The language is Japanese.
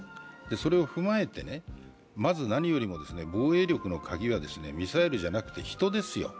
それを踏まえてまず何よりも防衛力の鍵はミサイルじゃなくて人ですよ。